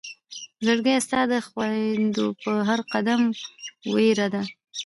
زړګيه ستا د خوئيدو په هر قدم وئيره ده